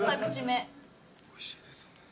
おいしいですよね？